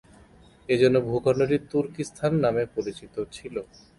এজন্য ভূখণ্ডটি তুর্কিস্তান নামে পরিচিত ছিল।